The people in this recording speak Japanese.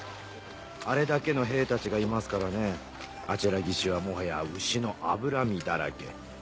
あれだけの兵たちがいますからねあちら岸はもはや牛の脂身だらけ。